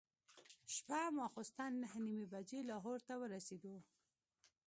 شپه ماخوستن نهه نیمې بجې لاهور ته ورسېدو.